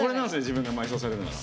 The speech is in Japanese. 自分が埋葬されるなら。